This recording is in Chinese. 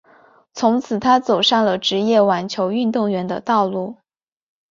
从此她走上了职业网球运动员的道路。